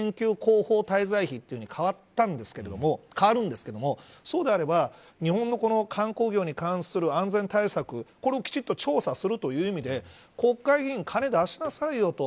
これ、名前は変わるんですけどそうであれば日本の観光業に関する安全対策をきちんと調査するという意味で国会議員、金出しなさいよと。